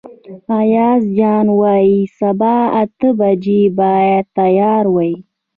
ایاز جان وايي سبا اته بجې باید تیار وئ.